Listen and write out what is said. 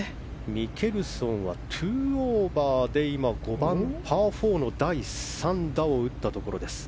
ミケルソンは２オーバーで今は５番、パー４の第３打を打ったところです。